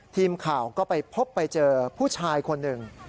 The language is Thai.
ทีมข่าวก็ไปพบไปเจอผู้ชายคนหนึ่ง